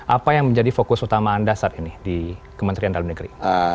apa yang menjadi fokus utama anda saat ini di kementerian dalam negeri